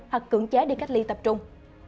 hoặc cưỡng chế đi cách ly tập trung